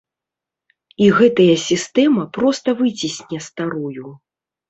І гэтая сістэма проста выцісне старую.